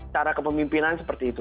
cara kepemimpinan seperti itu